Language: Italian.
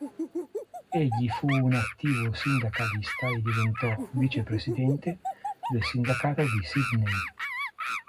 Egli fu un attivo sindacalista e diventò vice presidente del sindacato di Sydney.